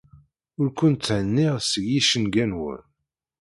Ur ken-tthenniɣ seg yicenga-nwen.